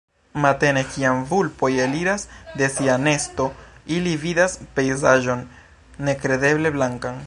Matene, kiam vulpoj eliras de sia nesto, ili vidas pejzaĝon nekredeble blankan.